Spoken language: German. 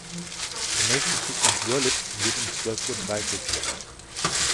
Der nächste Zug nach Görlitz geht um zwölf Uhr dreißig